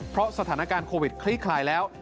เพราะสถานการณ์โควิดคลี่คลายแล้ว